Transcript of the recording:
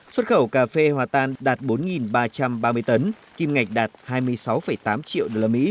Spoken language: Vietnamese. xuất khẩu cà phê hòa tan đạt bốn ba trăm ba mươi tấn kim ngạch đạt hai mươi sáu tám triệu usd